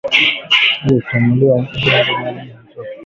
Kesho batamuletea muyomba mali ya mtoto yake wa kwanza